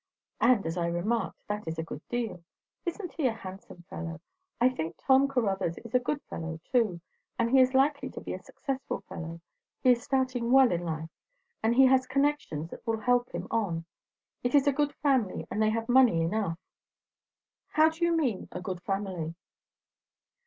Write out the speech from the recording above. "And, as I remarked, that is a good deal. Isn't he a handsome fellow? I think Tom Caruthers is a good fellow, too. And he is likely to be a successful fellow. He is starting well in life, and he has connections that will help him on. It is a good family; and they have money enough." "How do you mean, 'a good family'?"